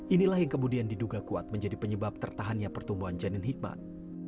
inilah yang kemudian diduga kuat menjadi penyebab tertahannya pertumbuhan janin hikmat